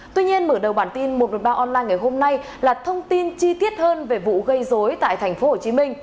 tuy nhiên mở đầu bản tin một trăm một mươi ba online ngày hôm nay là thông tin chi tiết hơn về vụ gây dối tại tp hcm